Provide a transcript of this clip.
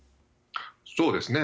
そうですね。